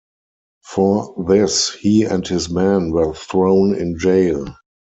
For this he and his men were thrown in jail.